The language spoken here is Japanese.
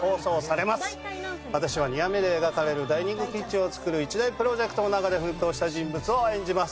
私は２話目で描かれるダイニングキッチンを作る一大プロジェクトの中で奮闘した人物を演じます。